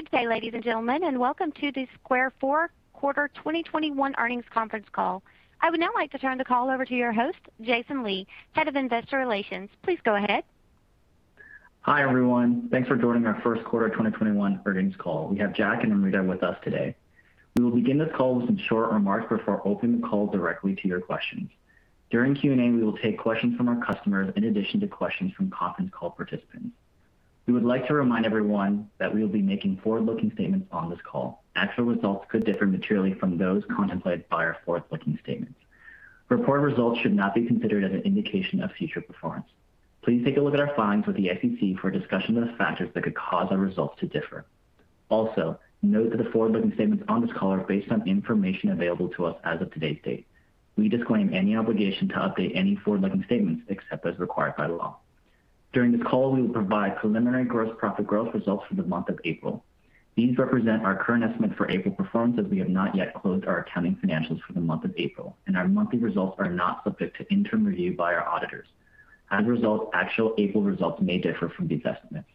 Good day, ladies and gentlemen, and welcome to the Square First Quarter 2021 Earnings Conference Call. I would now like to turn the call over to your host, Jason Lee, Head of Investor Relations. Please go ahead. Hi, everyone. Thanks for joining our first quarter 2021 earnings call. We have Jack and Amrita with us today. We will begin this call with some short remarks before opening the call directly to your questions. During Q&A, we will take questions from our customers in addition to questions from conference call participants. We would like to remind everyone that we will be making forward-looking statements on this call. Actual results could differ materially from those contemplated by our forward-looking statements. Reported results should not be considered as an indication of future performance. Please take a look at our filings with the SEC for a discussion of those factors that could cause our results to differ. Note that the forward-looking statements on this call are based on information available to us as of today's date. We disclaim any obligation to update any forward-looking statements except as required by law. During the call, we will provide preliminary gross profit growth results for the month of April. These represent our current estimate for April performance, as we have not yet closed our accounting financials for the month of April, and our monthly results are not subject to interim review by our auditors. As a result, actual April results may differ from these estimates.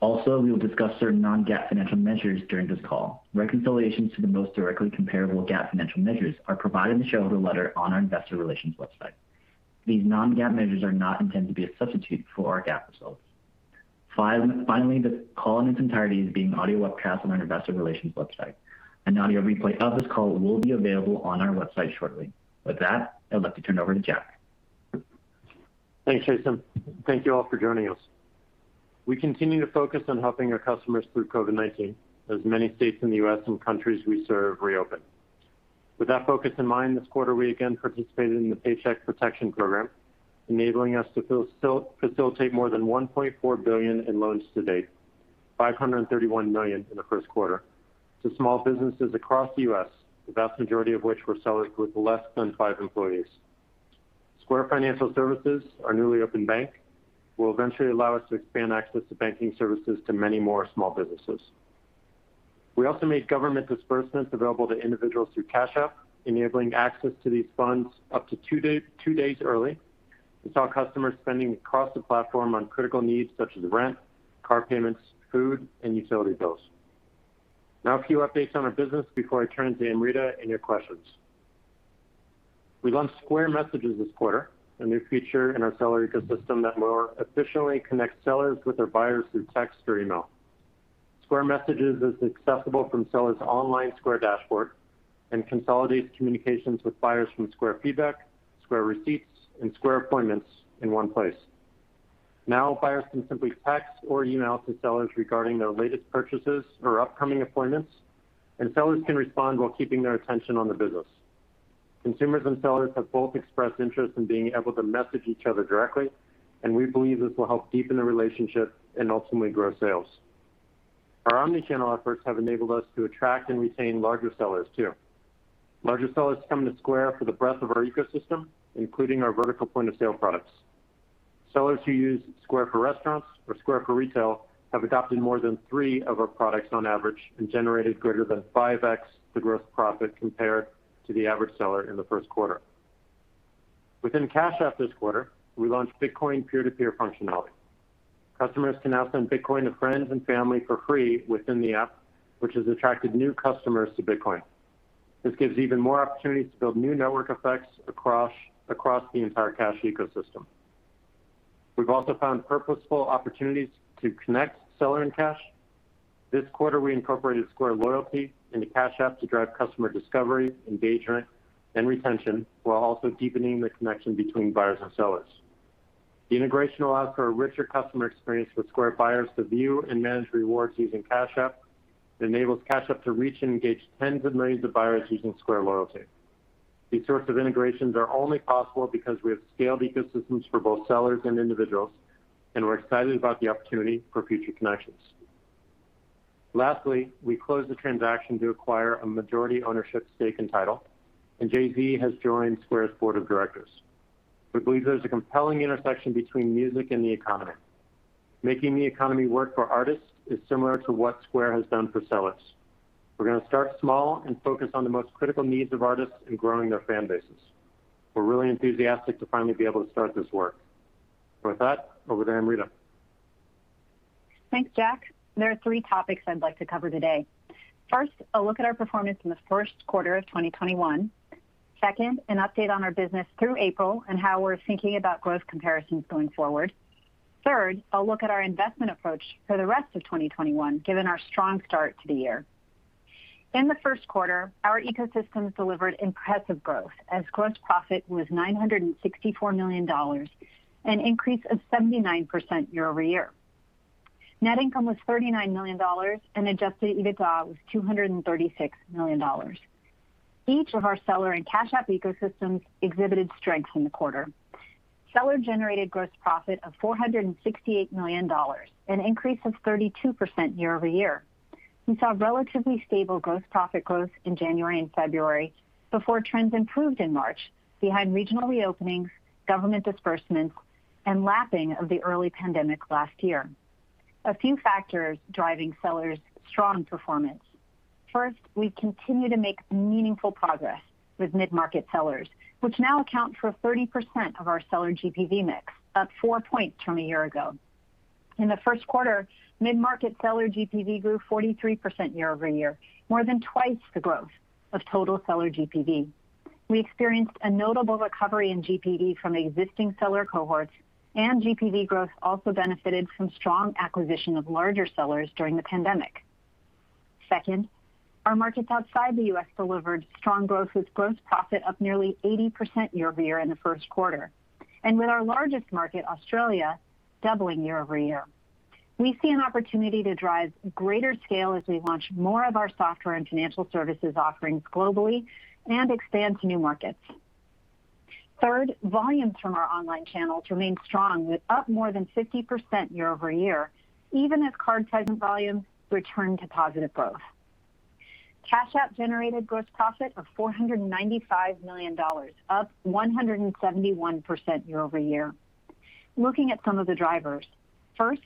Also, we will discuss certain non-GAAP financial measures during this call. Reconciliations to the most directly comparable GAAP financial measures are provided in the shareholder letter on our investor relations website. These non-GAAP measures are not intended to be a substitute for our GAAP results. Finally, this call in its entirety is being audio webcast on our investor relations website. An audio replay of this call will be available on our website shortly. With that, I'd like to turn it over to Jack. Thanks, Jason. Thank you all for joining us. We continue to focus on helping our customers through COVID-19 as many states in the U.S. and countries we serve reopen. With that focus in mind, this quarter, we again participated in the Paycheck Protection Program, enabling us to facilitate more than $1.4 billion in loans to date, $531 million in the first quarter, to small businesses across the U.S., the vast majority of which were sellers with less than five employees. Square Financial Services, our newly opened bank, will eventually allow us to expand access to banking services to many more small businesses. We also made government disbursements available to individuals through Cash App, enabling access to these funds up to two days early. We saw customers spending across the platform on critical needs such as rent, car payments, food, and utility bills. Now, a few updates on our business before I turn to Amrita and your questions. We launched Square Messages this quarter, a new feature in our seller ecosystem that more efficiently connects sellers with their buyers through text or email. Square Messages is accessible from sellers' online Square dashboard and consolidates communications with buyers from Square Feedback, Square Receipts, and Square Appointments in one place. Now, buyers can simply text or email to sellers regarding their latest purchases or upcoming appointments, and sellers can respond while keeping their attention on the business. Consumers and sellers have both expressed interest in being able to message each other directly, and we believe this will help deepen the relationship and ultimately grow sales. Our omni-channel efforts have enabled us to attract and retain larger sellers, too. Larger sellers come to Square for the breadth of our ecosystem, including our vertical point-of-sale products. Sellers who use Square for Restaurants or Square for Retail have adopted more than three of our products on average and generated greater than 5x the gross profit compared to the average seller in the first quarter. Within Cash App this quarter, we launched Bitcoin peer-to-peer functionality. Customers can now send Bitcoin to friends and family for free within the app, which has attracted new customers to Bitcoin. This gives even more opportunities to build new network effects across the entire Cash ecosystem. We've also found purposeful opportunities to connect seller and Cash. This quarter, we incorporated Square Loyalty into Cash App to drive customer discovery, engagement, and retention, while also deepening the connection between buyers and sellers. The integration allows for a richer customer experience with Square buyers to view and manage rewards using Cash App. It enables Cash App to reach and engage tens of millions of buyers using Square Loyalty. These sorts of integrations are only possible because we have scaled ecosystems for both sellers and individuals, and we're excited about the opportunity for future connections. Lastly, we closed the transaction to acquire a majority ownership stake in TIDAL, and Jay-Z has joined Square's board of directors. We believe there's a compelling intersection between music and the economy. Making the economy work for artists is similar to what Square has done for sellers. We're going to start small and focus on the most critical needs of artists in growing their fan bases. We're really enthusiastic to finally be able to start this work. With that, over to Amrita. Thanks, Jack. There are three topics I'd like to cover today. First, a look at our performance in the first quarter of 2021. Second, an update on our business through April and how we're thinking about growth comparisons going forward. Third, a look at our investment approach for the rest of 2021, given our strong start to the year. In the first quarter, our ecosystems delivered impressive growth, as gross profit was $964 million, an increase of 79% year-over-year. Net income was $39 million. Adjusted EBITDA was $236 million. Each of our seller and Cash App ecosystems exhibited strength in the quarter. Seller generated gross profit of $468 million, an increase of 32% year-over-year. We saw relatively stable gross profit growth in January and February before trends improved in March behind regional reopenings, government disbursements, and lapping of the early pandemic last year. A few factors driving sellers' strong performance. First, we continue to make meaningful progress with mid-market sellers, which now account for 30% of our seller GPV mix, up four points from a year ago. In the first quarter, mid-market seller GPV grew 43% year-over-year, more than twice the growth of total seller GPV. We experienced a notable recovery in GPV from existing seller cohorts, and GPV growth also benefited from strong acquisition of larger sellers during the pandemic. Second, our markets outside the U.S. delivered strong growth, with gross profit up nearly 80% year-over-year in the first quarter, and with our largest market, Australia, doubling year-over-year. We see an opportunity to drive greater scale as we launch more of our software and financial services offerings globally and expand to new markets. Third, volumes from our online channels remain strong, with up more than 50% year-over-year, even as card present volumes return to positive growth. Cash App generated gross profit of $495 million, up 171% year-over-year. Looking at some of the drivers, first,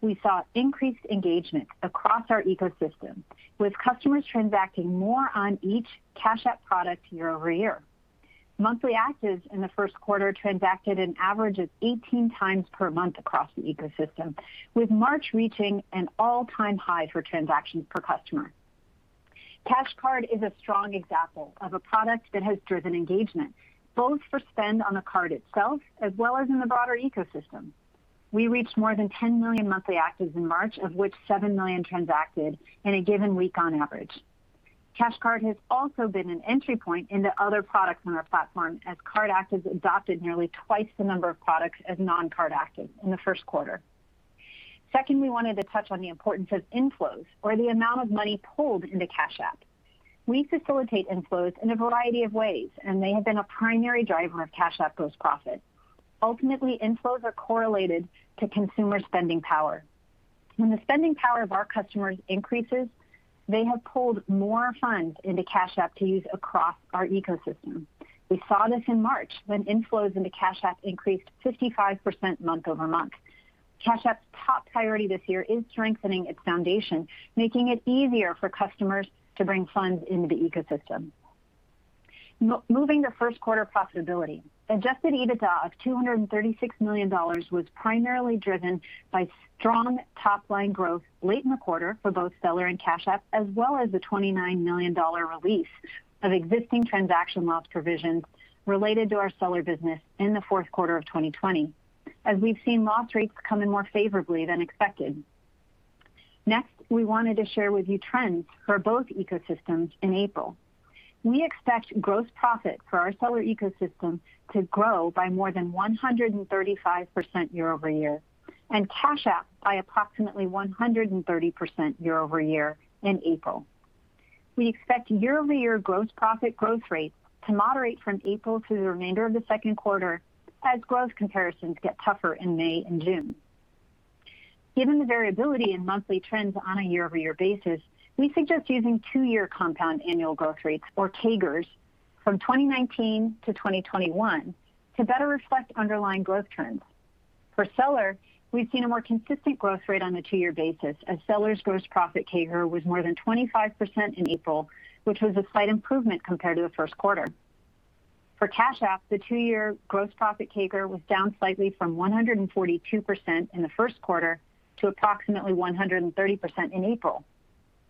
we saw increased engagement across our ecosystem, with customers transacting more on each Cash App product year-over-year. Monthly actives in the first quarter transacted an average of 18 times per month across the ecosystem, with March reaching an all-time high for transactions per customer. Cash Card is a strong example of a product that has driven engagement, both for spend on the card itself as well as in the broader ecosystem. We reached more than 10 million monthly actives in March, of which 7 million transacted in a given week on average. Cash Card has also been an entry point into other products on our platform, as Cash Card actives adopted nearly twice the number of products as non-Card actives in the first quarter. Second, we wanted to touch on the importance of inflows or the amount of money pulled into Cash App. We facilitate inflows in a variety of ways, and they have been a primary driver of Cash App gross profit. Ultimately, inflows are correlated to consumer spending power. When the spending power of our customers increases, they have pulled more funds into Cash App to use across our ecosystem. We saw this in March, when inflows into Cash App increased 55% month-over-month. Cash App's top priority this year is strengthening its foundation, making it easier for customers to bring funds into the ecosystem. Moving to first quarter profitability. Adjusted EBITDA of $236 million was primarily driven by strong top-line growth late in the quarter for both Seller and Cash App, as well as a $29 million release of existing transaction loss provisions related to our Seller business in the fourth quarter of 2020, as we've seen loss rates come in more favorably than expected. Next, we wanted to share with you trends for both ecosystems in April. We expect gross profit for our Seller ecosystem to grow by more than 135% year-over-year, and Cash App by approximately 130% year-over-year in April. We expect year-over-year gross profit growth rates to moderate from April through the remainder of the second quarter as growth comparisons get tougher in May and June. Given the variability in monthly trends on a year-over-year basis, we suggest using two-year compound annual growth rates, or CAGRs, from 2019 to 2021 to better reflect underlying growth trends. For Seller, we've seen a more consistent growth rate on a two-year basis, as Seller's gross profit CAGR was more than 25% in April, which was a slight improvement compared to the first quarter. For Cash App, the two-year gross profit CAGR was down slightly from 142% in the first quarter to approximately 130% in April.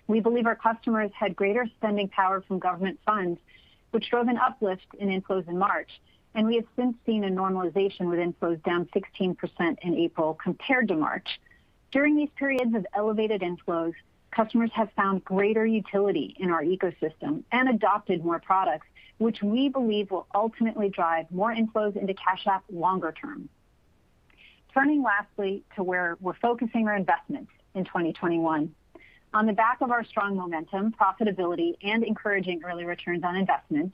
We believe our customers had greater spending power from government funds, which drove an uplift in inflows in March. We have since seen a normalization with inflows down 16% in April compared to March. During these periods of elevated inflows, customers have found greater utility in our ecosystem and adopted more products, which we believe will ultimately drive more inflows into Cash App longer term. Turning lastly to where we're focusing our investments in 2021. On the back of our strong momentum, profitability, and encouraging early returns on investment,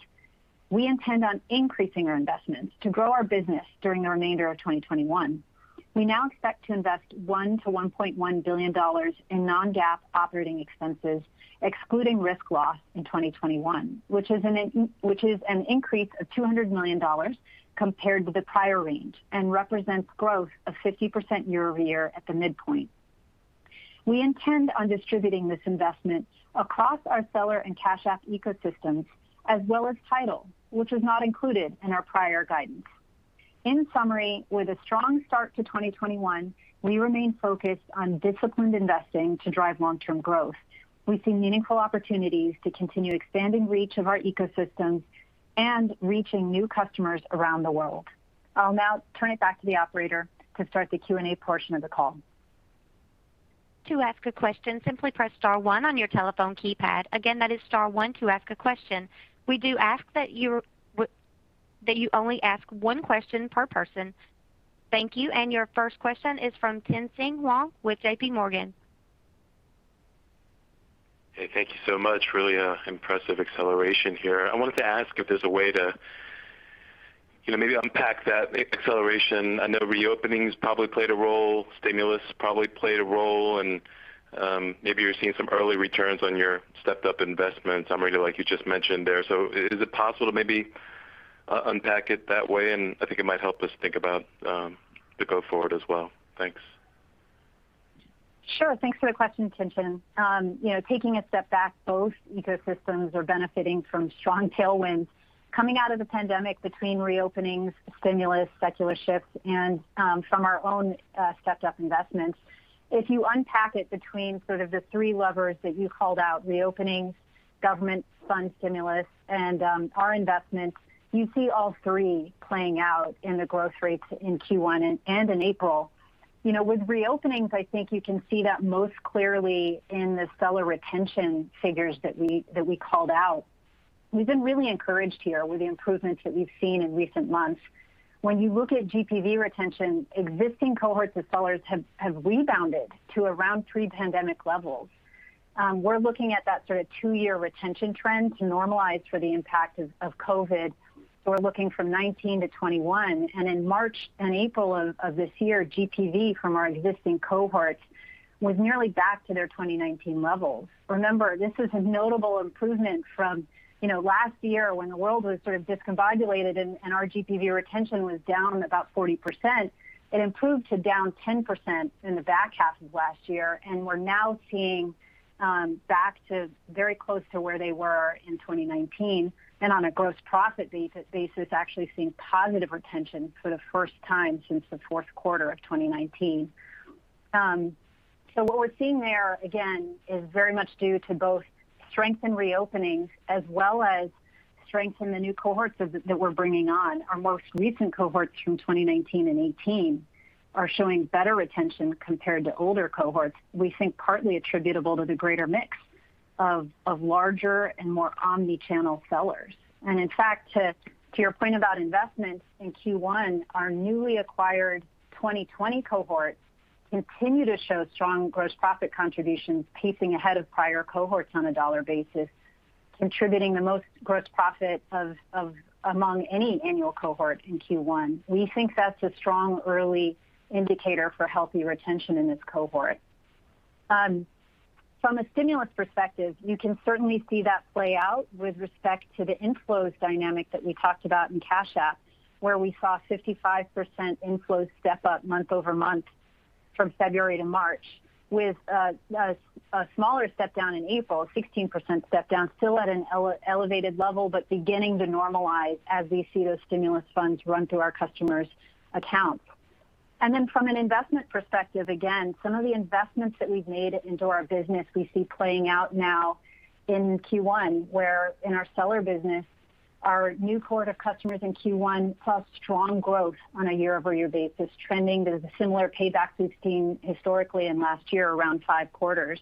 we intend on increasing our investments to grow our business during the remainder of 2021. We now expect to invest $1 billion-$1.1 billion in non-GAAP operating expenses, excluding risk loss in 2021, which is an increase of $200 million compared to the prior range and represents growth of 50% year-over-year at the midpoint. We intend on distributing this investment across our Seller and Cash App ecosystems as well as TIDAL, which was not included in our prior guidance. In summary, with a strong start to 2021, we remain focused on disciplined investing to drive long-term growth. We see meaningful opportunities to continue expanding reach of our ecosystems and reaching new customers around the world. I'll now turn it back to the operator to start the Q&A portion of the call. To ask a question, simply press star one on your telephone keypad. Again, that is star one to ask a question. We do ask that you only ask one question per person. Thank you. Your first question is from Tien-Tsin Huang with JPMorgan. Okay. Thank you so much. Really impressive acceleration here. I wanted to ask if there's a way to maybe unpack that acceleration. I know reopenings probably played a role, stimulus probably played a role, and maybe you're seeing some early returns on your stepped-up investments, Amrita like you just mentioned there. Is it possible to maybe unpack it that way? I think it might help us think about the go forward as well. Thanks. Sure. Thanks for the question, Tien-Tsin. Taking a step back, both ecosystems are benefiting from strong tailwinds coming out of the pandemic between reopenings, stimulus, secular shifts, and from our own stepped-up investments. If you unpack it between sort of the three levers that you called out, reopenings, government fund stimulus, and our investments, you see all three playing out in the growth rates in Q1 and in April. With reopenings, I think you can see that most clearly in the seller retention figures that we called out. We've been really encouraged here with the improvements that we've seen in recent months. When you look at GPV retention, existing cohorts of sellers have rebounded to around pre-pandemic levels. We're looking at that sort of two-year retention trend to normalize for the impact of COVID. We're looking from 2019 to 2021. In March and April of this year, GPV from our existing cohorts was nearly back to their 2019 levels. Remember, this is a notable improvement from last year when the world was sort of discombobulated and our GPV retention was down about 40%. It improved to down 10% in the back half of last year, and we're now seeing back to very close to where they were in 2019. On a gross profit basis, actually seeing positive retention for the first time since the fourth quarter of 2019. What we're seeing there, again, is very much due to both strength in reopening as well as strength in the new cohorts that we're bringing on. Our most recent cohorts from 2019 and 2018 are showing better retention compared to older cohorts, we think partly attributable to the greater mix of larger and more omni-channel sellers. In fact, to your point about investments, in Q1, our newly acquired 2020 cohorts continue to show strong gross profit contributions pacing ahead of prior cohorts on a dollar basis, contributing the most gross profit among any annual cohort in Q1. We think that's a strong early indicator for healthy retention in this cohort. From a stimulus perspective, you can certainly see that play out with respect to the inflows dynamic that we talked about in Cash App, where we saw 55% inflows step up month-over-month from February to March with a smaller step down in April, 16% step down, still at an elevated level, but beginning to normalize as we see those stimulus funds run through our customers' accounts. From an investment perspective, again, some of the investments that we've made into our business we see playing out now in Q1, where in our seller business, our new cohort of customers in Q1 saw strong growth on a year-over-year basis trending to the similar payback we've seen historically in last year, around five quarters.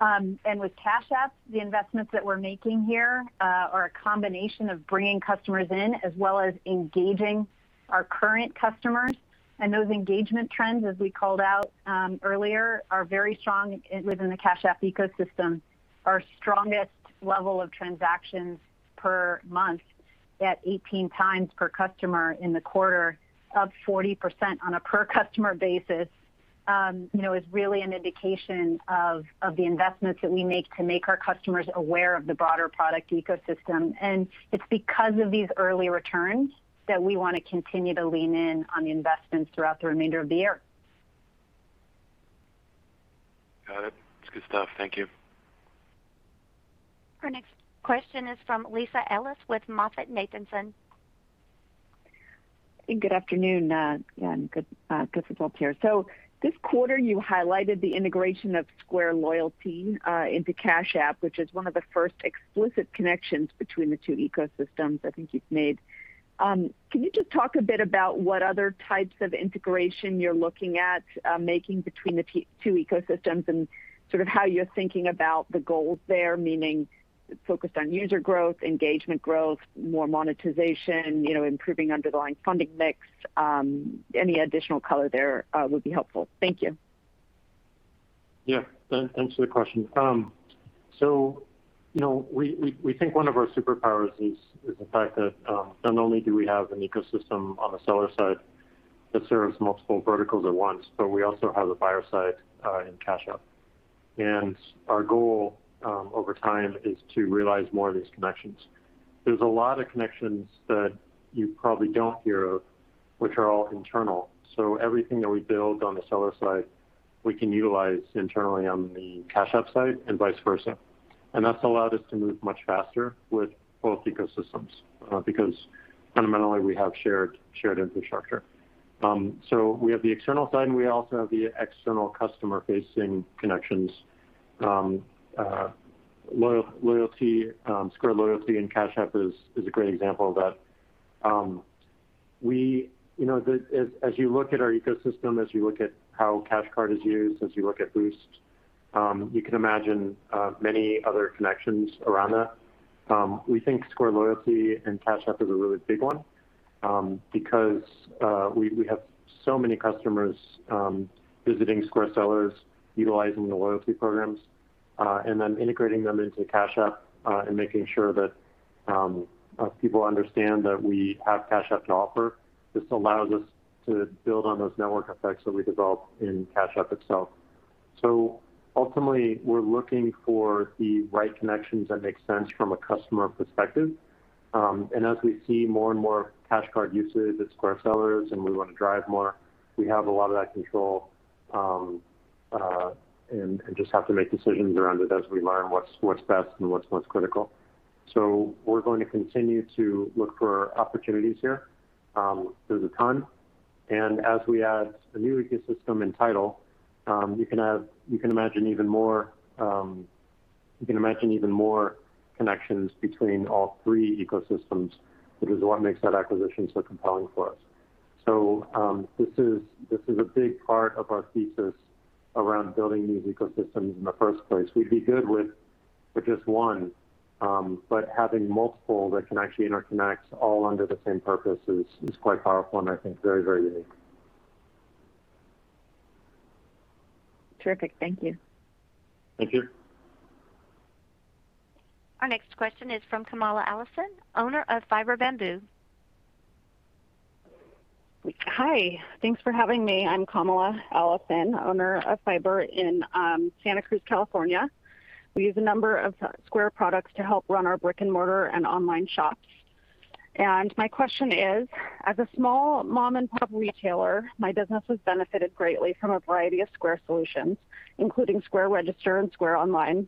With Cash App, the investments that we're making here are a combination of bringing customers in as well as engaging our current customers. Those engagement trends, as we called out earlier, are very strong within the Cash App ecosystem. Our strongest level of transactions per month at 18 times per customer in the quarter, up 40% on a per customer basis is really an indication of the investments that we make to make our customers aware of the broader product ecosystem. It's because of these early returns that we want to continue to lean in on the investments throughout the remainder of the year. Got it. It's good stuff. Thank you. Our next question is from Lisa Ellis with MoffettNathanson. Good afternoon. Yeah, and good results here. This quarter, you highlighted the integration of Square Loyalty into Cash App, which is one of the first explicit connections between the two ecosystems I think you've made. Can you just talk a bit about what other types of integration you're looking at making between the two ecosystems and sort of how you're thinking about the goals there, meaning focused on user growth, engagement growth, more monetization, improving underlying funding mix? Any additional color there would be helpful. Thank you. Yeah. Thanks for the question. We think one of our superpowers is the fact that not only do we have an ecosystem on the seller side that serves multiple verticals at once, but we also have the buyer side in Cash App. Our goal over time is to realize more of these connections. There's a lot of connections that you probably don't hear of, which are all internal. Everything that we build on the seller side, we can utilize internally on the Cash App side and vice versa. That's allowed us to move much faster with both ecosystems because fundamentally we have shared infrastructure. We have the external side, and we also have the external customer-facing connections. Square Loyalty and Cash App is a great example of that. As you look at our ecosystem, as you look at how Cash Card is used, as you look at Boost, you can imagine many other connections around that. We think Square Loyalty and Cash App is a really big one because we have so many customers visiting Square sellers utilizing the loyalty programs, then integrating them into Cash App and making sure that people understand that we have Cash App to offer. This allows us to build on those network effects that we developed in Cash App itself. Ultimately, we're looking for the right connections that make sense from a customer perspective. As we see more and more Cash Card usage at Square sellers and we want to drive more, we have a lot of that control, and just have to make decisions around it as we learn what's best and what's most critical. We're going to continue to look for opportunities here. There's a ton, and as we add the new ecosystem in TIDAL, you can imagine even more connections between all three ecosystems, which is what makes that acquisition so compelling for us. This is a big part of our thesis around building these ecosystems in the first place. We'd be good with just one, but having multiple that can actually interconnect all under the same purpose is quite powerful and I think very unique. Terrific. Thank you. Thank you. Our next question is from Kamala Allison, owner of Fybr Bamboo. Hi. Thanks for having me. I'm Kamala Allison, owner of Fybr in Santa Cruz, California. We use a number of Square products to help run our brick-and-mortar and online shops. My question is, as a small mom-and-pop retailer, my business has benefited greatly from a variety of Square solutions, including Square Register and Square Online.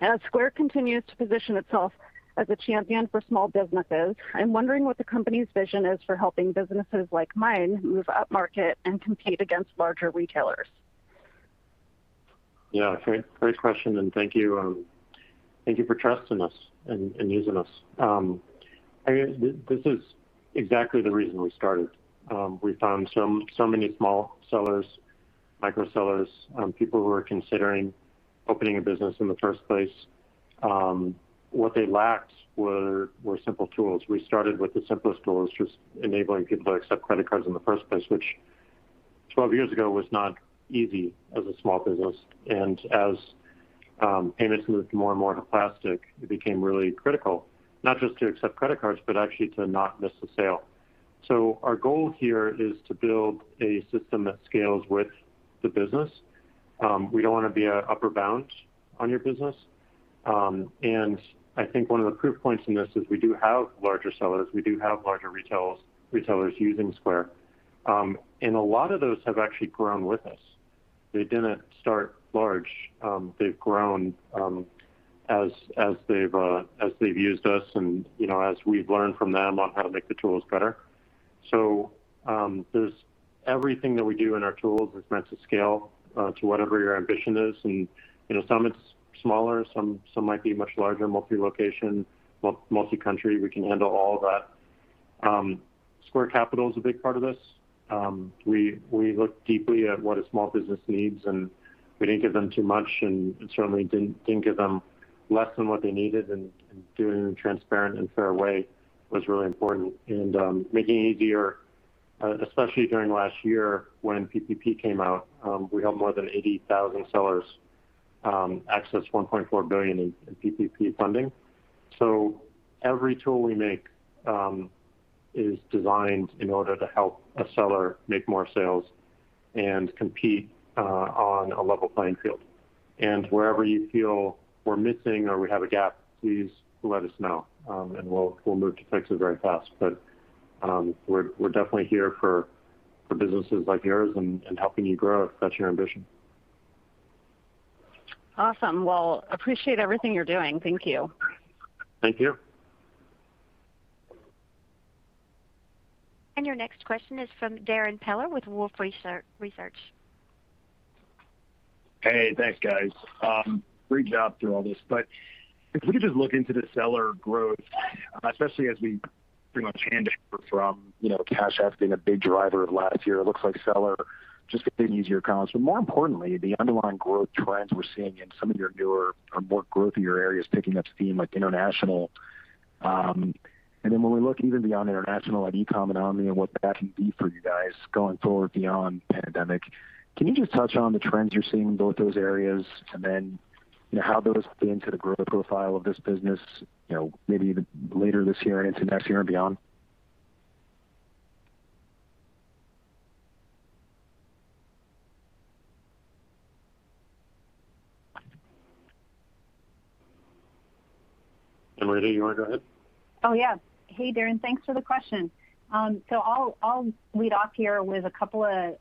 As Square continues to position itself as a champion for small businesses, I'm wondering what the company's vision is for helping businesses like mine move upmarket and compete against larger retailers. Yeah. Great question. Thank you. Thank you for trusting us and using us. This is exactly the reason we started. We found so many small sellers, micro sellers, people who are considering opening a business in the first place. What they lacked were simple tools. We started with the simplest tools, just enabling people to accept credit cards in the first place, which 12 years ago was not easy as a small business. As payments moved more and more to plastic, it became really critical, not just to accept credit cards, but actually to not miss a sale. Our goal here is to build a system that scales with the business. We don't want to be an upper bound on your business. I think one of the proof points in this is we do have larger sellers. We do have larger retailers using Square. A lot of those have actually grown with us. They didn't start large. They've grown as they've used us and as we've learned from them on how to make the tools better. Everything that we do in our tools is meant to scale to whatever your ambition is, and some it's smaller, some might be much larger, multi-location, multi-country. We can handle all of that. Square Capital is a big part of this. We look deeply at what a small business needs, and we didn't give them too much, and certainly didn't give them less than what they needed. Doing it in a transparent and fair way was really important. Making it easier, especially during last year when PPP came out, we helped more than 80,000 sellers access $1.4 billion in PPP funding. Every tool we make is designed in order to help a seller make more sales and compete on a level playing field. Wherever you feel we're missing or we have a gap, please let us know, and we'll move to fix it very fast. We're definitely here for businesses like yours and helping you grow, if that's your ambition. Awesome. Well, appreciate everything you're doing. Thank you. Thank you. Your next question is from Darrin Peller with Wolfe Research. Hey, thanks, guys. Great job through all this. If we could just look into the seller growth, especially as we pretty much hand it over from Cash App being a big driver of last year, it looks like seller just getting easier comps. More importantly, the underlying growth trends we're seeing in some of your newer or more growthier areas picking up steam, like international. When we look even beyond international at e-com and omni and what that can be for you guys going forward beyond pandemic, can you just touch on the trends you're seeing in both those areas, and then how those play into the growth profile of this business maybe even later this year into next year and beyond? Amrita, you want to go ahead? Oh, yeah. Hey, Darrin. Thanks for the question. I'll lead off here with a couple of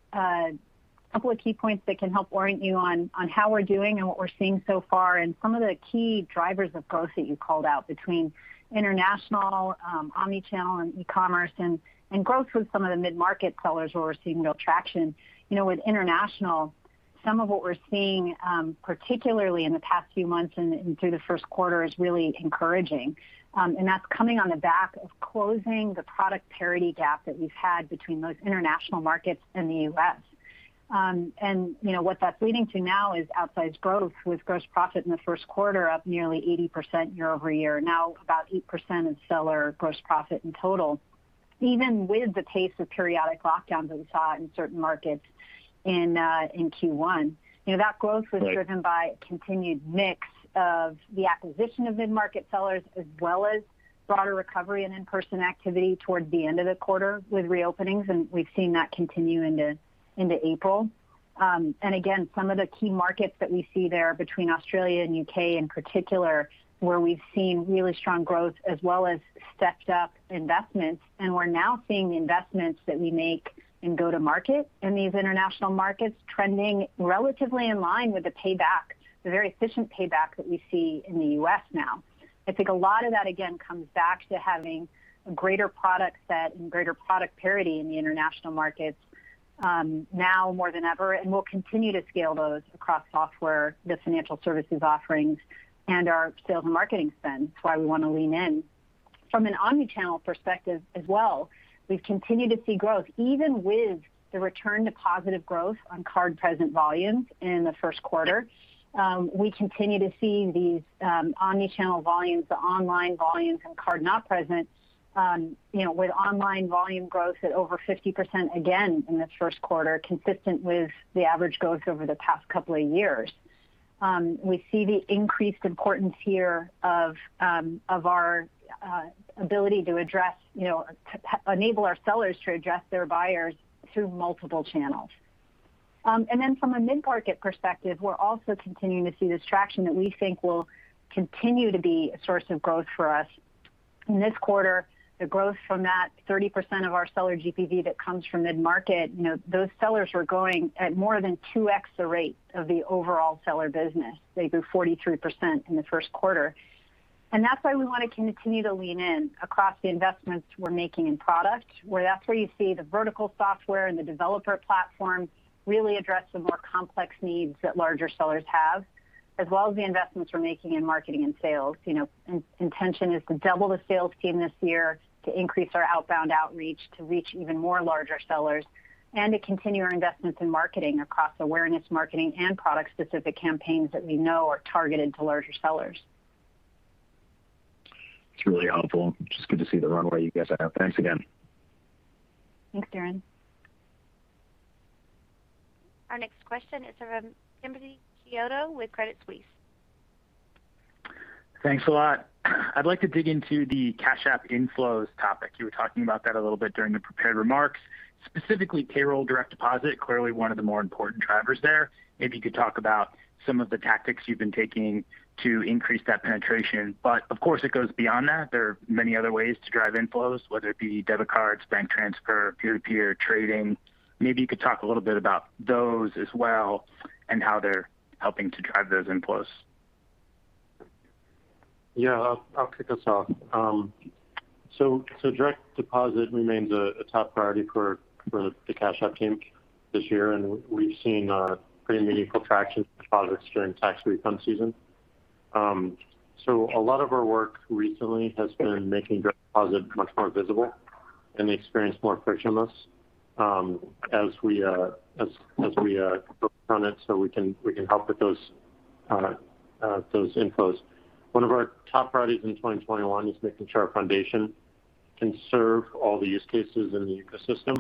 key points that can help orient you on how we're doing and what we're seeing so far and some of the key drivers of growth that you called out between international, omni-channel, and e-commerce, and growth with some of the mid-market sellers where we're seeing real traction. With international, some of what we're seeing, particularly in the past few months and through the first quarter, is really encouraging. That's coming on the back of closing the product parity gap that we've had between those international markets and the U.S. What that's leading to now is outsized growth with gross profit in the first quarter up nearly 80% year-over-year, now about 8% of seller gross profit in total. Even with the pace of periodic lockdowns that we saw in certain markets in Q1. That growth was driven by a continued mix of the acquisition of mid-market sellers, as well as broader recovery and in-person activity towards the end of the quarter with reopenings, and we've seen that continue into April. Again, some of the key markets that we see there between Australia and U.K. in particular, where we've seen really strong growth as well as stepped up investments, and we're now seeing the investments that we make in go-to-market in these international markets trending relatively in line with the very efficient payback that we see in the U.S. now. I think a lot of that, again, comes back to having a greater product set and greater product parity in the international markets now more than ever, and we'll continue to scale those across software, the financial services offerings, and our sales and marketing spend. That's why we want to lean in. From an omni-channel perspective as well, we've continued to see growth even with the return to positive growth on card-present volumes in the first quarter. We continue to see these omni-channel volumes, the online volumes, and card not present, with online volume growth at over 50%, again, in the first quarter, consistent with the average growth over the past couple of years. We see the increased importance here of our ability to enable our sellers to address their buyers through multiple channels. Then from a mid-market perspective, we're also continuing to see this traction that we think will continue to be a source of growth for us. In this quarter, the growth from that 30% of our seller GPV that comes from mid-market, those sellers were growing at more than 2x the rate of the overall seller business. They grew 43% in the first quarter. That's why we want to continue to lean in across the investments we're making in product, where that's where you see the vertical software and the developer platform really address the more complex needs that larger sellers have, as well as the investments we're making in marketing and sales. Intention is to double the sales team this year to increase our outbound outreach to reach even more larger sellers and to continue our investments in marketing across awareness marketing, and product-specific campaigns that we know are targeted to larger sellers. It's really helpful. Just good to see the runway you guys have. Thanks again. Thanks, Darrin. Our next question is from Timothy Chiodo with Credit Suisse. Thanks a lot. I'd like to dig into the Cash App inflows topic. You were talking about that a little bit during the prepared remarks, specifically payroll direct deposit, clearly one of the more important drivers there. Maybe you could talk about some of the tactics you've been taking to increase that penetration. Of course, it goes beyond that. There are many other ways to drive inflows, whether it be debit cards, bank transfer, peer-to-peer trading. Maybe you could talk a little bit about those as well and how they're helping to drive those inflows. Yeah. I'll kick us off. Direct deposit remains a top priority for the Cash App team this year, and we've seen a pretty meaningful traction with deposits during tax refund season. A lot of our work recently has been making direct deposit much more visible and the experience more frictionless as we focus on it, so we can help with those inflows. One of our top priorities in 2021 is making sure our foundation can serve all the use cases in the ecosystem.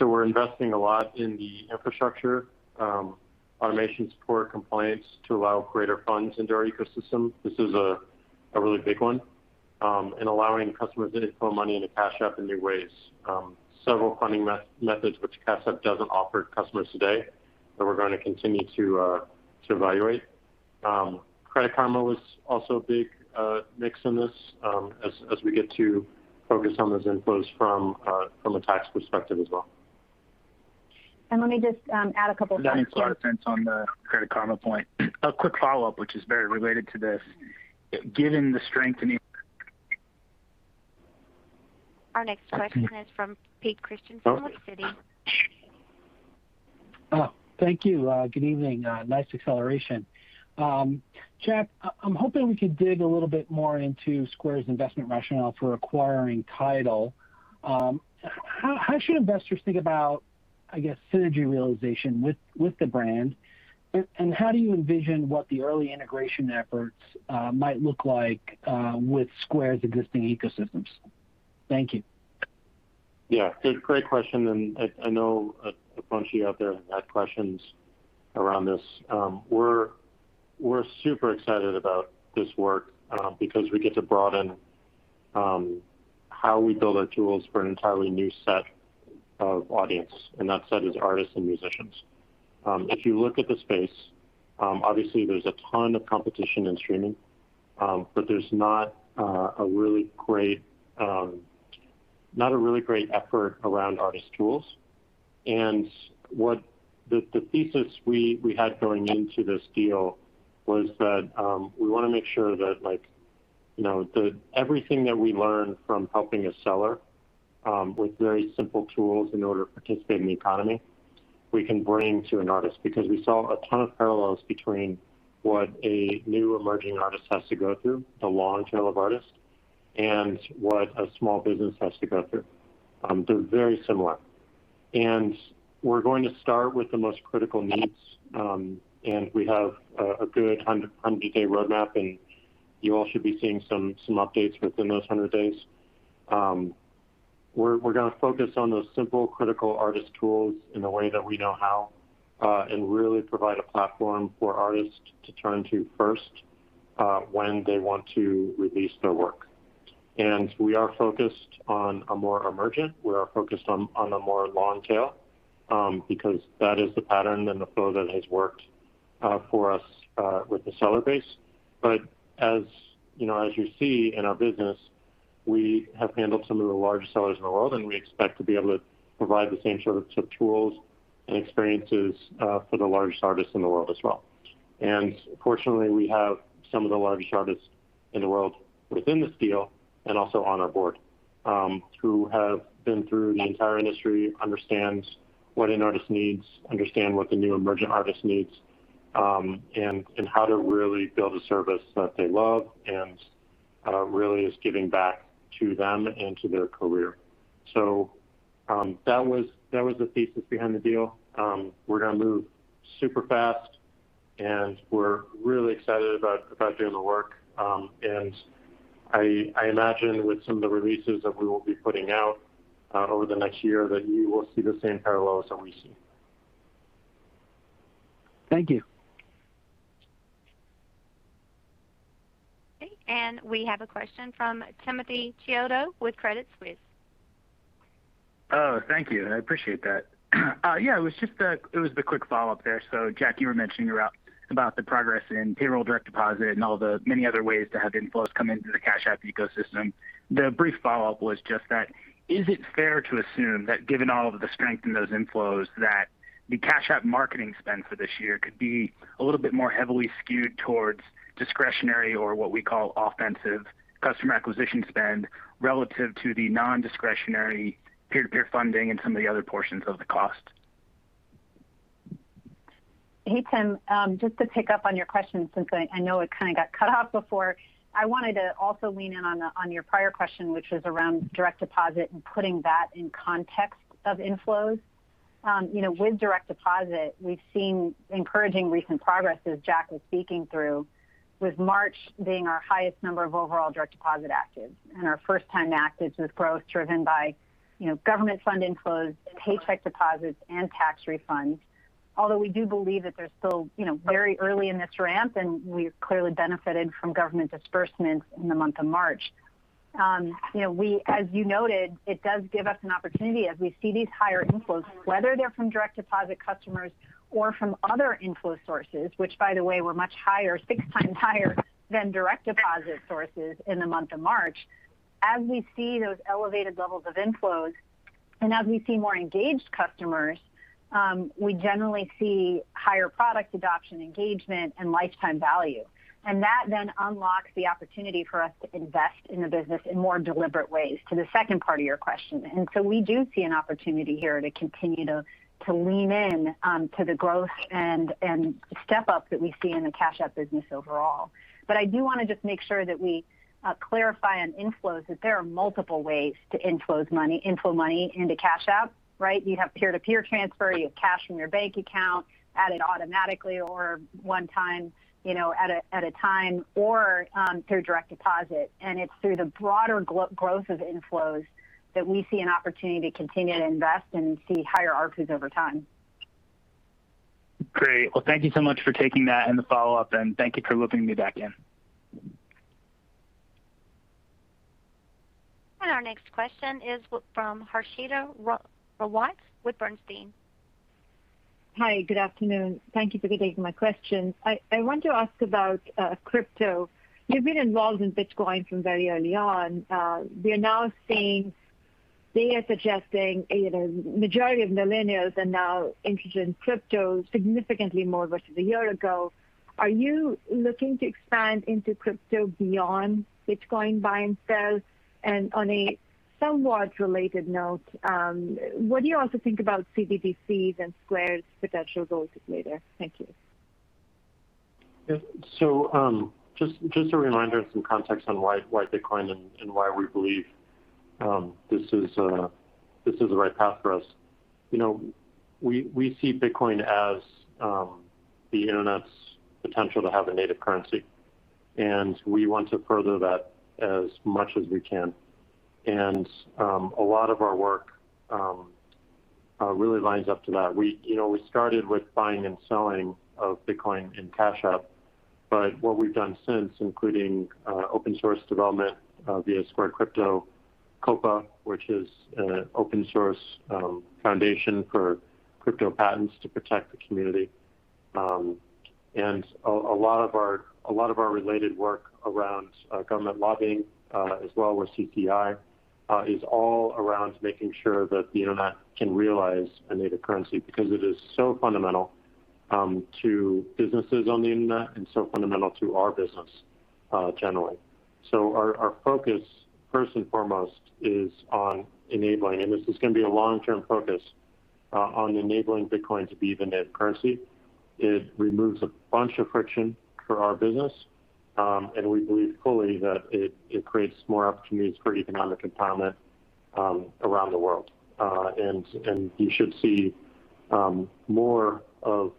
We're investing a lot in the infrastructure, automation support, compliance to allow greater funds into our ecosystem. This is a really big one, and allowing customers to deploy money into Cash App in new ways. Several funding methods which Cash App doesn't offer customers today, that we're going to continue to evaluate. Credit Karma was also a big mix in this, as we get to focus on those inflows from a tax perspective as well. Let me just add a couple things. That makes a lot of sense on the Credit Karma point. A quick follow-up, which is very related to this. Given the strength in the- Our next question is from Pete Christiansen with Citi. Oh, thank you. Good evening. Nice acceleration. Jack, I'm hoping we could dig a little bit more into Square's investment rationale for acquiring TIDAL. How should investors think about, I guess, synergy realization with the brand, and how do you envision what the early integration efforts might look like with Square's existing ecosystems? Thank you. Yeah. Good. Great question. I know a bunch of you out there have had questions around this. We're super excited about this work because we get to broaden how we build our tools for an entirely new set of audience, and that set is artists and musicians. If you look at the space, obviously there's a ton of competition in streaming, but there's not a really great effort around artist tools. The thesis we had going into this deal was that we want to make sure that everything that we learn from helping a seller with very simple tools in order to participate in the economy, we can bring to an artist because we saw a ton of parallels between what a new emerging artist has to go through, the long tail of artist, and what a small business has to go through. They're very similar. We're going to start with the most critical needs, and we have a good 100-day roadmap, and you all should be seeing some updates within those 100 days. We're going to focus on those simple, critical artist tools in the way that we know how, and really provide a platform for artists to turn to first when they want to release their work. We are focused on a more emergent, we are focused on the more long tail, because that is the pattern and the flow that has worked for us with the seller base. As you see in our business, we have handled some of the largest sellers in the world, and we expect to be able to provide the same sort of tools and experiences for the largest artists in the world as well. Fortunately, we have some of the largest artists in the world within this deal and also on our board, who have been through the entire industry, understand what an artist needs, understand what the new emergent artist needs, and how to really build a service that they love and really is giving back to them and to their career. That was the thesis behind the deal. We're going to move super fast, and we're really excited about doing the work. I imagine with some of the releases that we will be putting out over the next year, that you will see the same parallels that we see. Thank you. Okay, we have a question from Timothy Chiodo with Credit Suisse. Oh, thank you. I appreciate that. Yeah, it was the quick follow-up there. Jack, you were mentioning about the progress in payroll direct deposit and all the many other ways to have inflows come into the Cash App ecosystem. The brief follow-up was just that, is it fair to assume that given all of the strength in those inflows, that the Cash App marketing spend for this year could be a little bit more heavily skewed towards discretionary or what we call offensive customer acquisition spend relative to the non-discretionary peer-to-peer funding and some of the other portions of the cost? Hey, Tim. Just to pick up on your question since I know it got cut off before. I wanted to also lean in on your prior question, which was around direct deposit and putting that in context of inflows. With direct deposit, we've seen encouraging recent progress, as Jack was speaking through, with March being our highest number of overall direct deposit actives. Our first-time actives with growth driven by government fund inflows, paycheck deposits, and tax refunds. We do believe that they're still very early in this ramp, and we've clearly benefited from government disbursements in the month of March. As you noted, it does give us an opportunity as we see these higher inflows, whether they're from direct deposit customers or from other inflow sources, which by the way, were much higher, six times higher than direct deposit sources in the month of March. As we see those elevated levels of inflows and as we see more engaged customers, we generally see higher product adoption engagement and lifetime value. That then unlocks the opportunity for us to invest in the business in more deliberate ways to the second part of your question. We do see an opportunity here to continue to lean in to the growth and step up that we see in the Cash App business overall. I do want to just make sure that we clarify on inflows that there are multiple ways to inflow money into Cash App, right? You have peer-to-peer transfer, you have cash from your bank account, added automatically or one time at a time, or through direct deposit. It's through the broader growth of inflows that we see an opportunity to continue to invest and see higher ARPUs over time. Great. Well, thank you so much for taking that and the follow-up, and thank you for looping me back in. Our next question is from Harshita Rawat with Bernstein. Hi. Good afternoon. Thank you for taking my question. I want to ask about crypto. You've been involved in Bitcoin from very early on. We are now seeing data suggesting majority of millennials are now interested in crypto, significantly more versus a year ago. Are you looking to expand into crypto beyond Bitcoin buy and sell? On a somewhat related note, what do you also think about CBDCs and Square's potential role later? Thank you. Yeah. Just a reminder and some context on why Bitcoin and why we believe this is the right path for us. We see Bitcoin as the internet's potential to have a native currency, and we want to further that as much as we can. A lot of our work really lines up to that. We started with buying and selling of Bitcoin in Cash App. What we've done since, including open source development via Square Crypto, COPA, which is an open source foundation for crypto patents to protect the community. A lot of our related work around government lobbying, as well with CTI, is all around making sure that the internet can realize a native currency because it is so fundamental to businesses on the internet and so fundamental to our business generally. Our focus, first and foremost, is on enabling, and this is going to be a long-term focus, on enabling Bitcoin to be the net currency. It removes a bunch of friction for our business. We believe fully that it creates more opportunities for economic empowerment around the world. You should see more of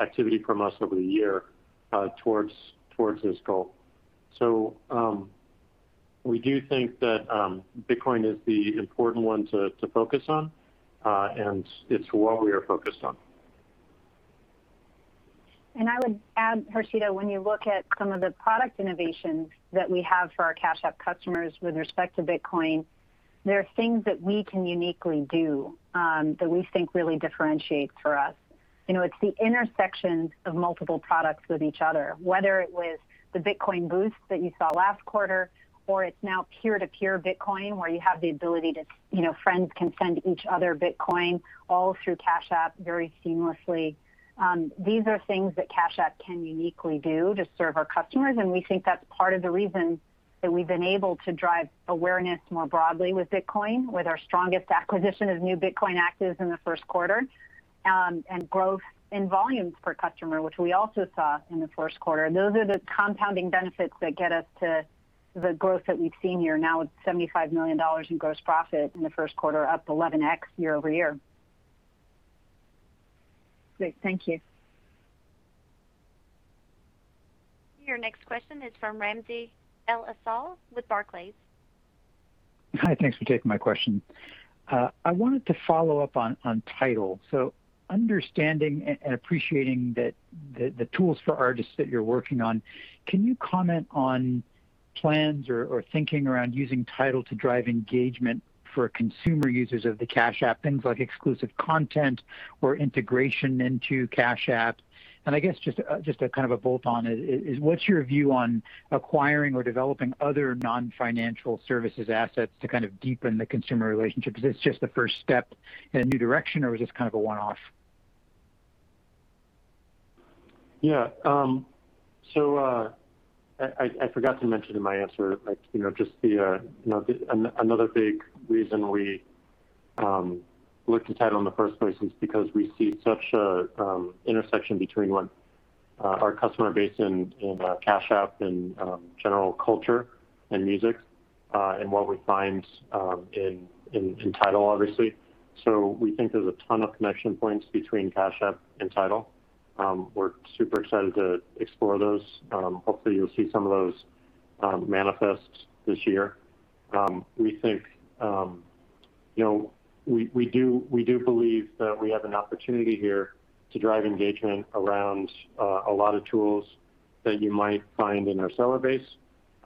activity from us over the year towards this goal. We do think that Bitcoin is the important one to focus on. It's what we are focused on. I would add, Harshita, when you look at some of the product innovations that we have for our Cash App customers with respect to Bitcoin, there are things that we can uniquely do that we think really differentiate for us. It's the intersections of multiple products with each other. Whether it was the Bitcoin Boost that you saw last quarter, or it's now peer-to-peer Bitcoin, where friends can send each other Bitcoin all through Cash App very seamlessly. These are things that Cash App can uniquely do to serve our customers, and we think that's part of the reason that we've been able to drive awareness more broadly with Bitcoin, with our strongest acquisition of new Bitcoin actives in the first quarter, and growth in volumes per customer, which we also saw in the first quarter. Those are the compounding benefits that get us to the growth that we've seen here now with $75 million in gross profit in the first quarter, up 11x year-over-year. Great. Thank you. Your next question is from Ramsey El-Assal with Barclays. Hi, thanks for taking my question. I wanted to follow up on TIDAL. Understanding and appreciating the tools for artists that you're working on, can you comment on plans or thinking around using TIDAL to drive engagement for consumer users of the Cash App, things like exclusive content or integration into Cash App? I guess just a bolt-on is, what's your view on acquiring or developing other non-financial services assets to deepen the consumer relationship? Is this just the first step in a new direction, or is this kind of a one-off? Yeah. I forgot to mention in my answer, another big reason we looked at TIDAL in the first place is because we see such a intersection between what our customer base in Cash App and general culture and music, and what we find in TIDAL, obviously. We think there's a ton of connection points between Cash App and TIDAL. We're super excited to explore those. Hopefully you'll see some of those manifests this year. We do believe that we have an opportunity here to drive engagement around a lot of tools that you might find in our seller base,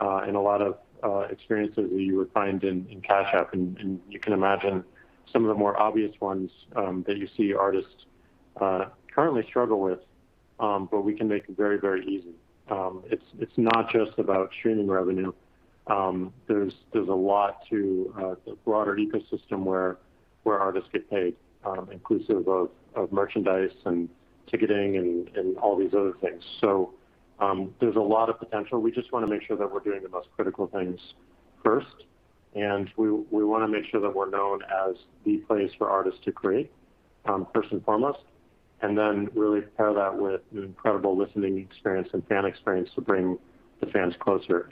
and a lot of experiences that you would find in Cash App. You can imagine some of the more obvious ones that you see artists currently struggle with, but we can make it very easy. It's not just about streaming revenue. There's a lot to the broader ecosystem where artists get paid, inclusive of merchandise and ticketing and all these other things. There's a lot of potential. We just want to make sure that we're doing the most critical things first. We want to make sure that we're known as the place for artists to create, first and foremost, and then really pair that with an incredible listening experience and fan experience to bring the fans closer.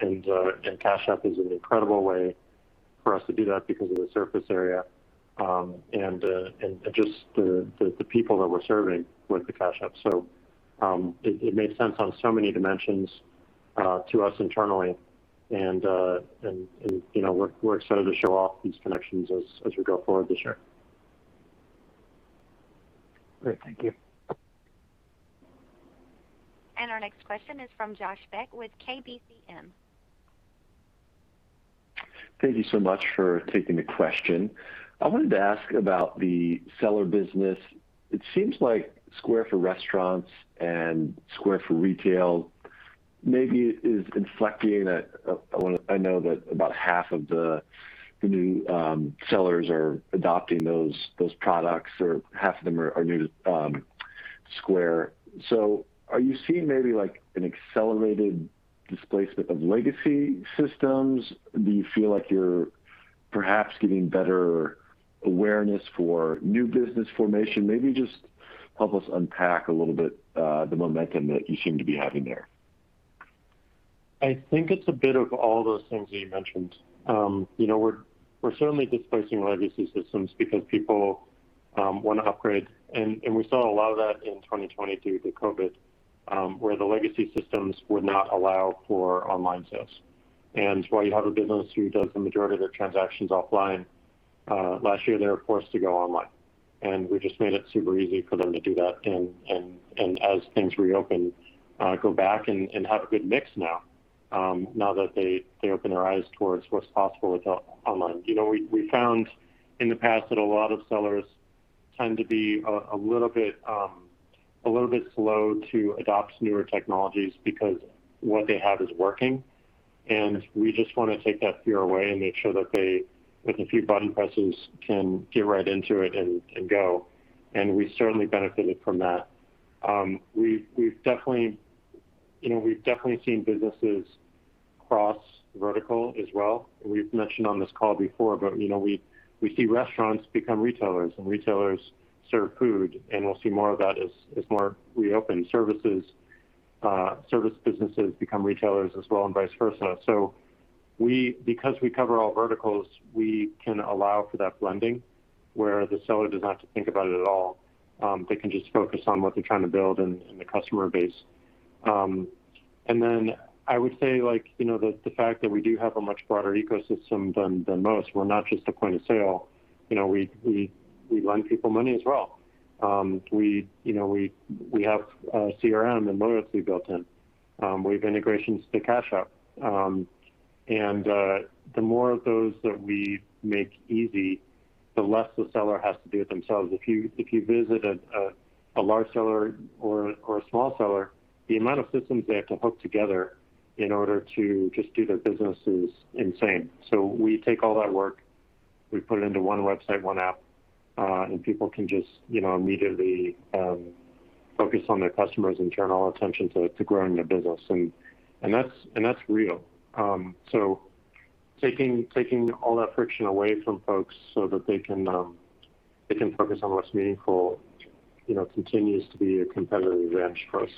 Cash App is an incredible way for us to do that because of the surface area, and just the people that we're serving with the Cash App. It made sense on so many dimensions to us internally and we're excited to show off these connections as we go forward this year. Great. Thank you. Our next question is from Josh Beck with KBCM. Thank you so much for taking the question. I wanted to ask about the seller business. It seems like Square for Restaurants and Square for Retail maybe is inflecting. I know that about half of the new sellers are adopting those products, or half of them are new to Square. Are you seeing maybe an accelerated displacement of legacy systems? Do you feel like you're perhaps getting better awareness for new business formation? Maybe just help us unpack a little bit the momentum that you seem to be having there. I think it's a bit of all those things that you mentioned. We're certainly displacing legacy systems because people want to upgrade, and we saw a lot of that in 2020 due to COVID, where the legacy systems would not allow for online sales. While you have a business who does the majority of their transactions offline, last year, they were forced to go online. We just made it super easy for them to do that, and as things reopen, go back and have a good mix now that they open their eyes towards what's possible with online. We found in the past that a lot of sellers tend to be a little bit slow to adopt newer technologies because what they have is working. We just want to take that fear away and make sure that they, with a few button presses, can get right into it and go. We certainly benefited from that. We've definitely seen businesses cross vertical as well. We've mentioned on this call before, but we see restaurants become retailers and retailers serve food, and we'll see more of that as more reopen. Service businesses become retailers as well, and vice versa. Because we cover all verticals, we can allow for that blending where the seller doesn't have to think about it at all. They can just focus on what they're trying to build and the customer base. I would say the fact that we do have a much broader ecosystem than most. We're not just a point-of-sale. We lend people money as well. We have CRM and loyalty built in. We have integrations to Cash App. The more of those that we make easy, the less the seller has to do it themselves. If you visit a large seller or a small seller, the amount of systems they have to hook together in order to just do their business is insane. We take all that work, we put it into one website, one app, and people can just immediately focus on their customers and turn all attention to growing their business. That's real. Taking all that friction away from folks so that they can focus on what's meaningful continues to be a competitive advantage for us.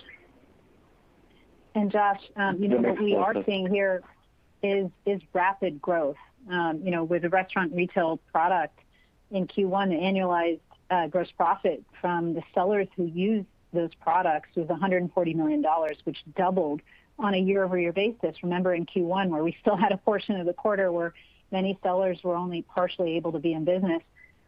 Josh, what we are seeing here is rapid growth. With the restaurant and retail product in Q1, the annualized gross profit from the sellers who used those products was $140 million, which doubled on a year-over-year basis. Remember in Q1, where we still had a portion of the quarter where many sellers were only partially able to be in business.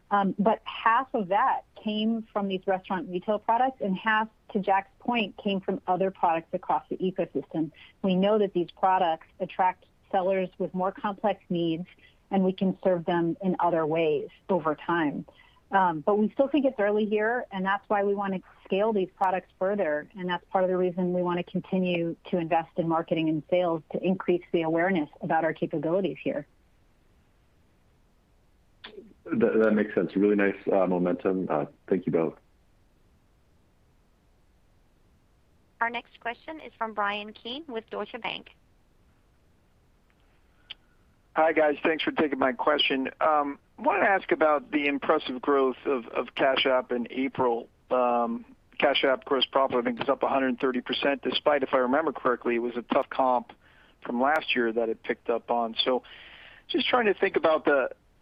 Half of that came from these restaurant and retail products, and half, to Jack's point, came from other products across the ecosystem. We know that these products attract sellers with more complex needs, and we can serve them in other ways over time. We still think it's early here, and that's why we want to scale these products further. That's part of the reason we want to continue to invest in marketing and sales to increase the awareness about our capabilities here. That makes sense. Really nice momentum. Thank you both. Our next question is from Bryan Keane with Deutsche Bank. Hi, guys. Thanks for taking my question. Wanted to ask about the impressive growth of Cash App in April. Cash App gross profit, I think, was up 130%, despite, if I remember correctly, it was a tough comp from last year that it picked up on. Just trying to think about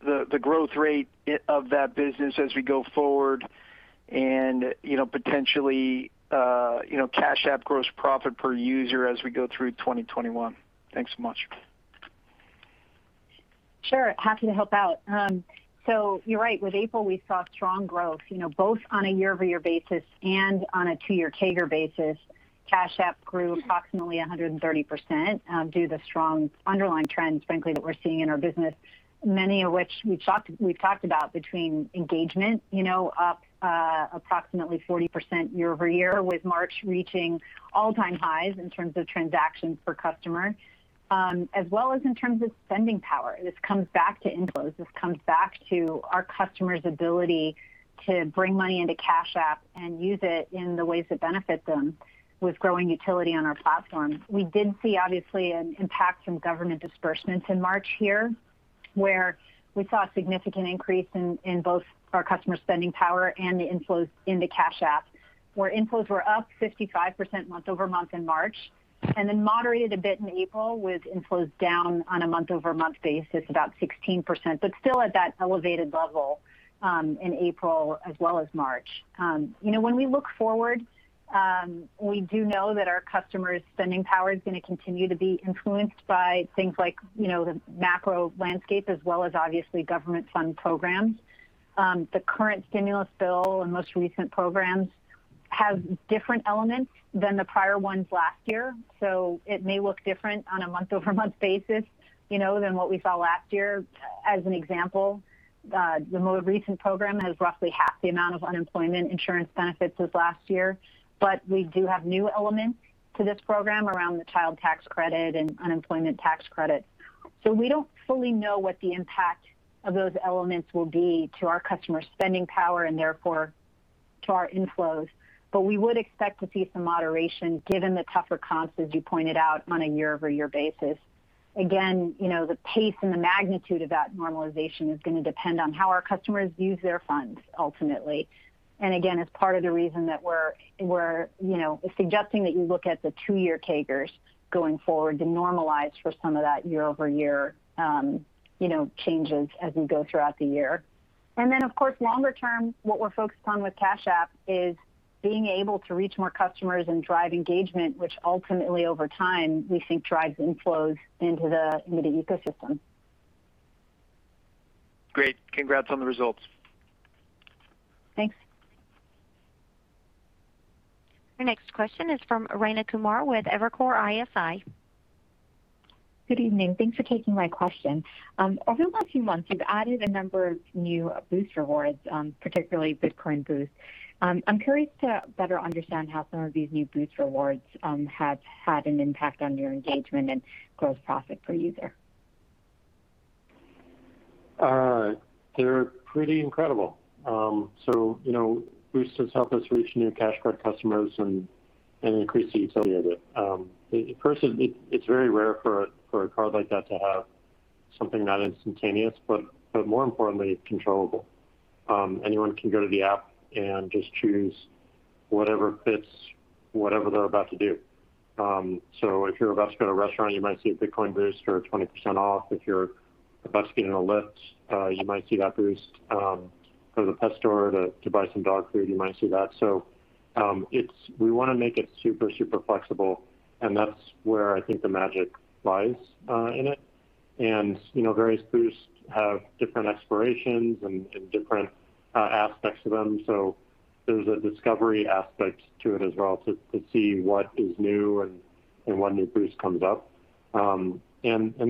the growth rate of that business as we go forward and potentially Cash App gross profit per user as we go through 2021. Thanks so much. Sure. Happy to help out. You're right. With April, we saw strong growth, both on a year-over-year basis and on a two-year CAGR basis. Cash App grew approximately 130% due to the strong underlying trends, frankly, that we're seeing in our business, many of which we've talked about between engagement, up approximately 40% year-over-year, with March reaching all-time highs in terms of transactions per customer, as well as in terms of spending power. This comes back to inflows. This comes back to our customers' ability to bring money into Cash App and use it in the ways that benefit them with growing utility on our platform. We did see, obviously, an impact from government disbursements in March here, where we saw a significant increase in both our customer spending power and the inflows into Cash App, where inflows were up 55% month-over-month in March, and then moderated a bit in April, with inflows down on a month-over-month basis about 16%, but still at that elevated level in April as well as March. When we look forward, we do know that our customers' spending power is going to continue to be influenced by things like the macro landscape as well as, obviously, government fund programs. The current stimulus bill and most recent programs have different elements than the prior ones last year. It may look different on a month-over-month basis, than what we saw last year. As an example, the most recent program has roughly half the amount of unemployment insurance benefits as last year. We do have new elements to this program around the Child Tax Credit and Unemployment Tax Credit. We don't fully know what the impact of those elements will be to our customers' spending power and therefore to our inflows. We would expect to see some moderation given the tougher comps, as you pointed out, on a year-over-year basis. Again, the pace and the magnitude of that normalization is going to depend on how our customers use their funds, ultimately. Again, it's part of the reason that we're suggesting that you look at the two-year CAGRs going forward to normalize for some of that year-over-year changes as we go throughout the year. Of course, longer term, what we're focused on with Cash App is being able to reach more customers and drive engagement, which ultimately over time, we think drives inflows into the ecosystem. Great. Congrats on the results. Thanks. Our next question is from Rayna Kumar with Evercore ISI. Good evening. Thanks for taking my question. Over the last few months, you've added a number of new Boost rewards, particularly Bitcoin Boost. I'm curious to better understand how some of these new Boost rewards have had an impact on your engagement and gross profit per user. They're pretty incredible. Boost has helped us reach new Cash Card customers and increase the utility of it. First, it's very rare for a card like that to have something not instantaneous, but more importantly, controllable. Anyone can go to the app and just choose whatever fits whatever they're about to do. If you're about to go to a restaurant, you might see a Bitcoin Boost or a 20% off. If you're about to get in a Lyft, you might see that Boost. Go to the pet store to buy some dog food, you might see that. We want to make it super flexible, and that's where I think the magic lies in it. Various Boosts have different expirations and different aspects to them, so there's a discovery aspect to it as well to see what is new and when new Boost comes up.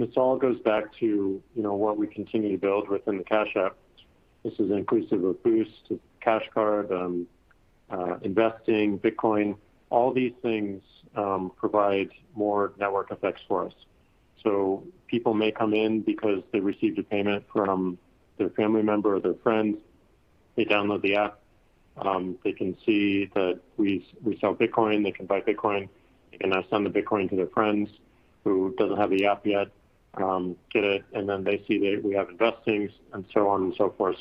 This all goes back to what we continue to build within the Cash App. This is an increase of a Boost to Cash Card, investing, Bitcoin, all these things provide more network effects for us. People may come in because they received a payment from their family member or their friend. They download the app. They can see that we sell Bitcoin. They can buy Bitcoin. They can now send the Bitcoin to their friends who doesn't have the app yet get it, and then they see that we have investing and so on and so forth.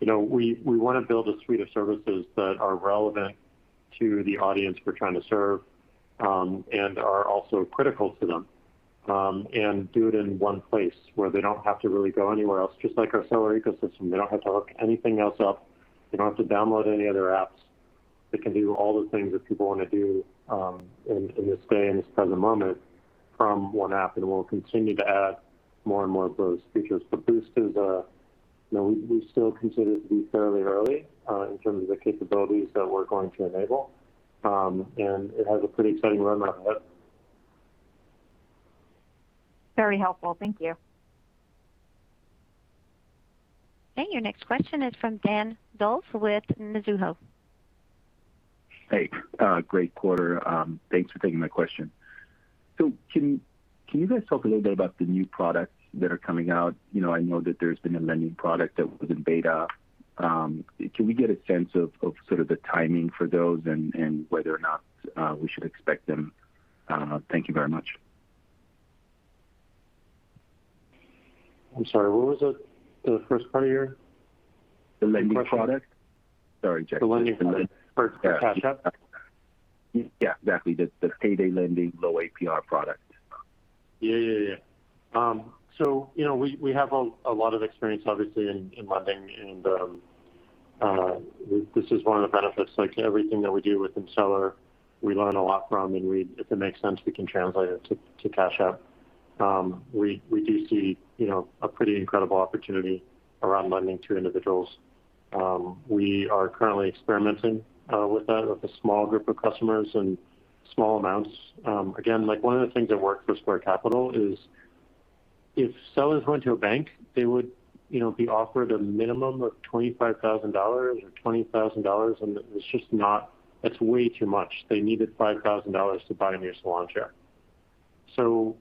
We want to build a suite of services that are relevant to the audience we're trying to serve, and are also critical to them, and do it in one place where they don't have to really go anywhere else. Just like our Seller ecosystem, they don't have to look anything else up. They don't have to download any other apps. They can do all the things that people want to do in this day, in this present moment from one app. We'll continue to add more and more of those features. Boost is a, we still consider it to be fairly early in terms of the capabilities that we're going to enable. It has a pretty exciting roadmap ahead. Very helpful. Thank you. Okay, your next question is from Dan Dolev with Mizuho. Hey, great quarter. Thanks for taking my question. Can you guys talk a little bit about the new products that are coming out? I know that there's been a lending product that was in beta. Can we get a sense of sort of the timing for those and whether or not we should expect them? Thank you very much. I'm sorry, what was the first part of your question? The lending product. Sorry, Jack. The lending product for Cash App? Yeah, exactly. The payday lending low APR product. Yeah. We have a lot of experience, obviously, in lending and this is one of the benefits, like everything that we do within seller, we learn a lot from, and if it makes sense, we can translate it to Cash App. We do see a pretty incredible opportunity around lending to individuals. We are currently experimenting with that with a small group of customers and small amounts. Again, one of the things that worked for Square Capital is if sellers went to a bank, they would be offered a minimum of $25,000 or $20,000, and that's way too much. They needed $5,000 to buy a new salon chair.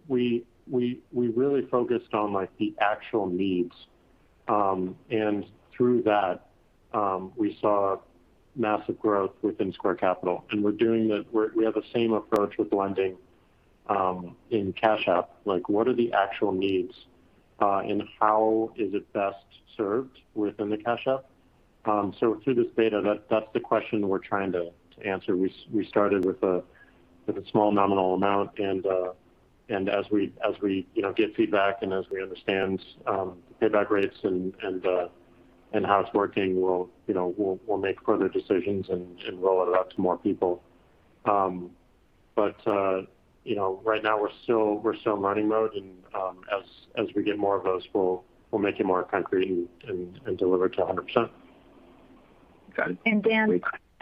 We really focused on the actual needs. Through that, we saw massive growth within Square Capital. We have the same approach with lending in Cash App, like what are the actual needs, and how is it best served within the Cash App? Through this beta, that's the question we're trying to answer. We started with a small nominal amount and as we get feedback and as we understand payback rates and how it's working, we'll make further decisions and roll it out to more people. Right now we're still in learning mode and as we get more of those, we'll make it more concrete and deliver it to 100%. Got it.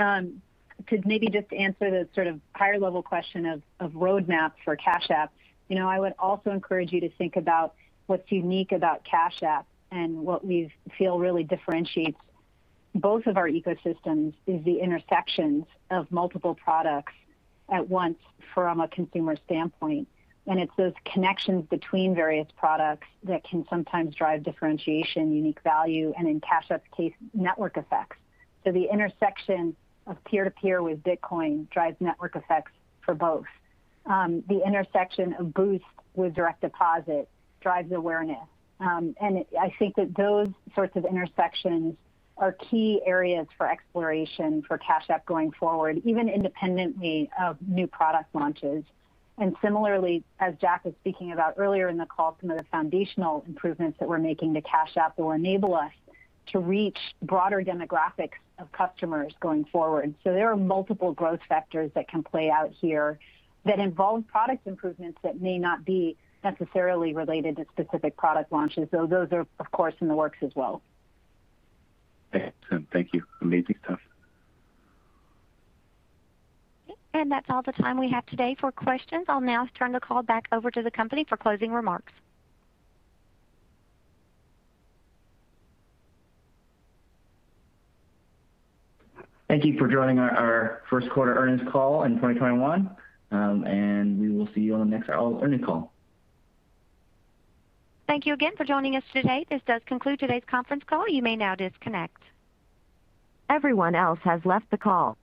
Dan, to maybe just answer the higher level question of roadmap for Cash App, I would also encourage you to think about what's unique about Cash App and what we feel really differentiates both of our ecosystems is the intersections of multiple products at once from a consumer standpoint. It's those connections between various products that can sometimes drive differentiation, unique value, and in Cash App's case, network effects. The intersection of peer-to-peer with Bitcoin drives network effects for both. The intersection of Boost with direct deposit drives awareness. I think that those sorts of intersections are key areas for exploration for Cash App going forward, even independently of new product launches. Similarly, as Jack was speaking about earlier in the call, some of the foundational improvements that we're making to Cash App will enable us to reach broader demographics of customers going forward. There are multiple growth factors that can play out here that involve product improvements that may not be necessarily related to specific product launches, though those are, of course, in the works as well. Excellent. Thank you. Amazing stuff. Okay, that's all the time we have today for questions. I'll now turn the call back over to the company for closing remarks. Thank you for joining our first quarter earnings call in 2021. We will see you on the next earnings call. Thank you again for joining us today. This does conclude today's conference call. You may now disconnect. Everyone else has left the call.